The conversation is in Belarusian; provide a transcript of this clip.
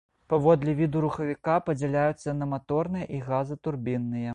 Паводле віду рухавіка падзяляюцца на маторныя і газатурбінныя.